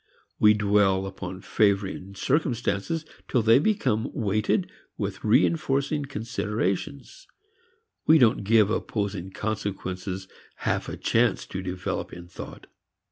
We dwell upon favoring circumstances till they become weighted with reinforcing considerations. We don't give opposing consequences half a chance to develop in thought.